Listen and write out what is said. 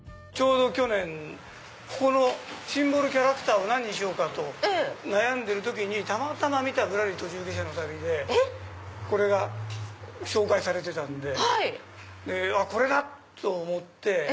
去年ここのシンボルキャラクターを何にしようかと悩んでる時にたまたま見た『ぶらり途中下車の旅』でこれが紹介されてたのでこれだ！と思って。